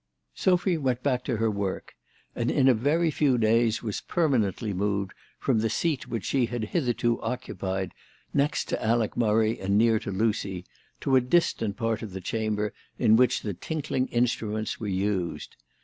SOPHY went back to her work, and in a very few days was permanently moved from the seat which she had hitherto occupied next to Alec Murray and near to Lucy, to a distant part of the chamber in which the tinkling instruments were used.